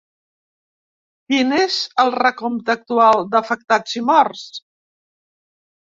Quin és el recompte actual d’afectats i morts?